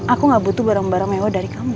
aku gak butuh barang barang mewah dari kamu